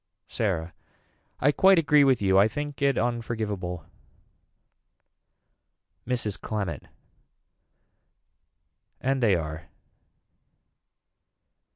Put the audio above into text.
Sarah. I quite agree with you I think it unforgiveable. Mrs. Clement. And they are.